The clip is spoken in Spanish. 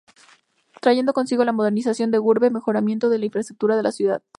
Trayendo consigo la modernización de la urbe: mejoramiento de la infraestructura de la ciudad.